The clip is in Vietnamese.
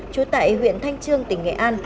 chú tại huyện thanh trương tỉnh nghệ an